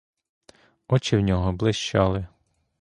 Очі в нього блищали.